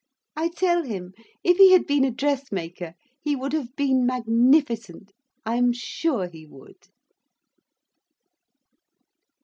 I tell him, if he had been a dressmaker, he would have been magnificent. I am sure he would.